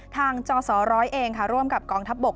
จสร้อยเองค่ะร่วมกับกองทัพบก